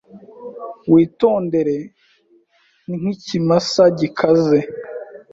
Witondere. Ni ikimasa gikaze.